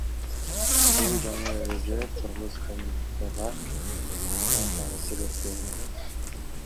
Бул жаңы эреже кыргызстандыктарга да таасир эткен.